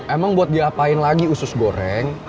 emang buat diapain lagi usus goreng